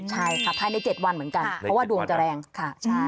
ใช่ค่ะภายใน๗วันเหมือนกันเพราะว่าดวงจะแรงค่ะ